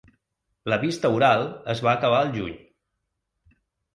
La vista oral es va acabar al juny.